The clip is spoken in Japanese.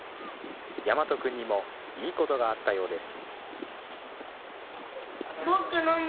岳翔君にもいいことがあったようです。